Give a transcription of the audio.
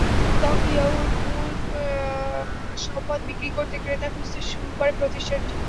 শেষতক ইয়াহুর মূল সম্পদ বিক্রি করতে ক্রেতা খুঁজতে শুরু করে প্রতিষ্ঠানটি।